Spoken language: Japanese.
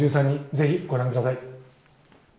ぜひご覧ください！